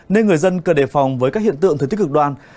nên người dân cần đề phòng với các hiện tượng thời tiết cực đoan